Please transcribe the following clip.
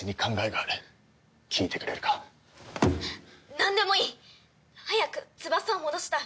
なんでもいい！早く翼を戻したい。